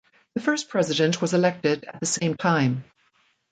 The first president was elected at the same time.